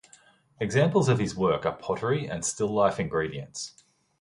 Examples of his work are "Pottery" and "Still Life Ingredients".